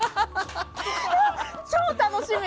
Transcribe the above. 超楽しみ！